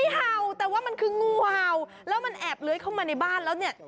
หัวงูมาก็คล้องเลย